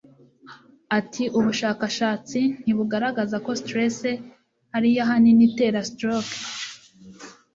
Ati Ubushakashatsi nti bugaragaza ko stress ariyo ahanini itera stroke.